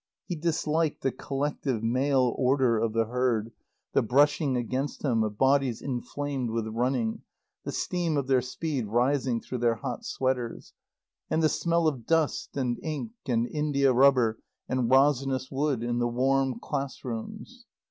He disliked the collective, male odour of the herd, the brushing against him of bodies inflamed with running, the steam of their speed rising through their hot sweaters; and the smell of dust and ink and india rubber and resinous wood in the warm class rooms.